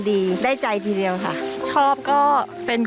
ปู่พญานาคี่อยู่ในกล่อง